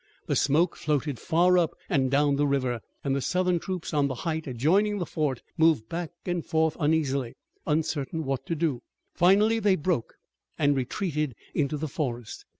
The smoke floated far up and down the river, and the Southern troops on the height adjoining the fort moved back and forth uneasily, uncertain what to do. Finally they broke and retreated into the forest.